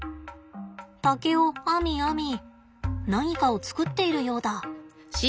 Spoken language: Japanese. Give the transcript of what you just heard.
竹を編み編み何かを作っているようだ。